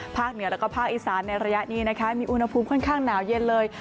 เหนือแล้วก็ภาคอีสานในระยะนี้นะคะมีอุณหภูมิค่อนข้างหนาวเย็นเลย